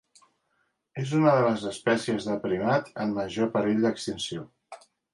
És una de les espècies de primat en major perill d'extinció.